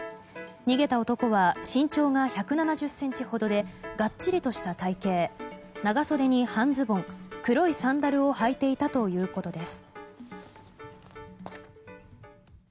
逃げた男は身長が１７０ｃｍほどでがっちりとした体形長袖に半ズボン黒いサンダルを履いていたということです。